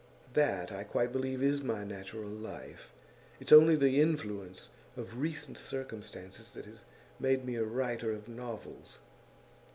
That, I quite believe, is my natural life; it's only the influence of recent circumstances that has made me a writer of novels.